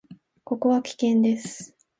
ここは危険です。